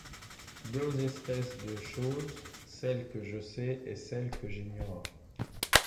Deux espèces de choses, celles que je sais, et celles que j’ignore.